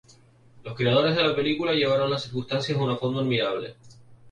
Los creadores de la película llevaron las circunstancias de una forma admirable.